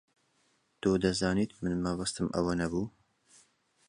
تۆ دەزانیت من مەبەستم ئەوە نەبوو.